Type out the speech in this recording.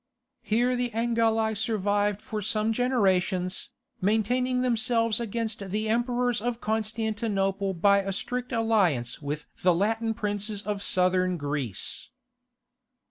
Here the Angeli survived for some generations, maintaining themselves against the Emperors of Constantinople by a strict alliance with the Latin princes of Southern Greece.